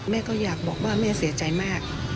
แม่ก็อยากบอกว่าแม่เสียใจมาก